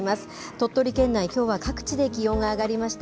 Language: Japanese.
鳥取県内、きょうは各地で気温が上がりました。